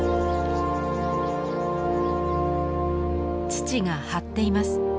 乳が張っています。